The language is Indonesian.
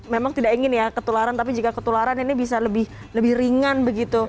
memang tidak ingin ya ketularan tapi jika ketularan ini bisa lebih ringan begitu